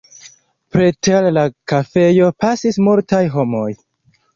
Preter la kafejo pasis multaj homoj.